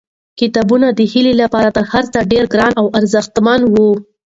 کتابونه د هیلې لپاره تر هر څه ډېر ګران او ارزښتمن وو.